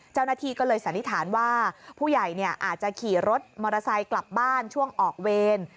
เจ้าหน้าที่ก็เลยสันนิษฐานว่าผู้ใหญ่อาจจะขี่รถมอเตอร์ไซค์กลับบ้านช่วงออกเวร